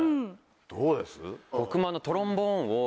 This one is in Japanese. どうです？